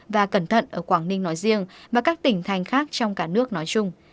và cẩn thận ở quảng ninh nói riêng và các tỉnh thành khác trong cả nước nói chung